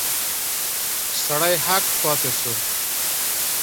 سړی هک پاته شو.